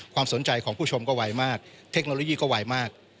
ความสนใจของผู้ชมก็ไวมากเทคโนโลยีก็ไวมาก